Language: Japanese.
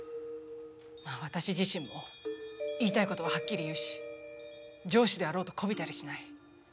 まあ私自身も言いたいことははっきり言うし上司であろうとこびたりしない。